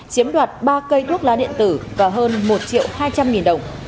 chiếm đoạt ba cây thuốc lá điện tử và hơn một triệu hai trăm linh nghìn đồng